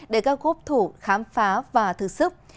để các gốc thủ khám phá và thực sức